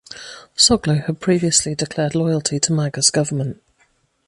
Soglo had previously declared loyalty to Maga's government.